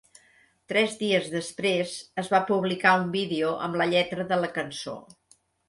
Tres dies després es va publicar un vídeo amb la lletra de la cançó.